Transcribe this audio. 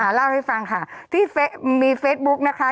เล่าให้ฟังค่ะที่มีเฟซบุ๊กนะคะ